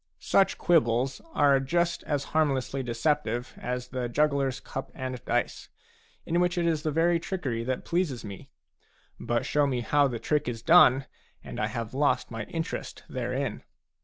Such quibbles are just as harmlessly deceptive as the jugglers cup and dice, in which it is the very trickery that pleases me. But show me how the trick is done, and I have lost my interest therein.